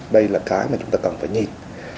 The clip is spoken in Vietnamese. đây là cái mà chúng ta cần phải nhìn